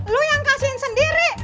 lu yang kasihin sendiri